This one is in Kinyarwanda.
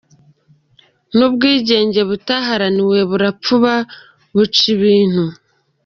Ni ubwigenge butaharaniwe, burapfuba buca ibintu.